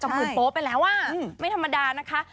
กล้องมืดโป๊ะเป็นแล้วอ่ะไม่ธรรมดานะคะ